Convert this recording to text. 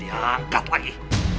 dia diangkat lagi